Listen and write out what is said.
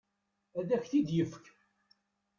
Ad ak-t-id-ifek.